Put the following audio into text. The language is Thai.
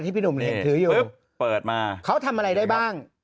พี่หนุ่มเห็นถืออยู่เปิดมาเขาทำอะไรได้บ้าง